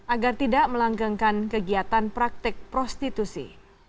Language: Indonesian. agar tidak melanggengkan kegiatan praktik prostitusi